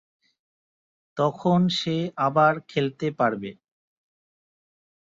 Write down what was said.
তখন সে আবার খেলতে পারবে।